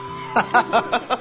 ハハハハ！